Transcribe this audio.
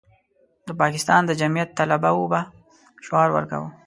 د پاکستان د جمعیت طلبه به شعار ورکاوه.